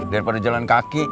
daripada jalan kaki